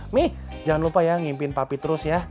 mi jangan lupa ya ngimpin papi terus ya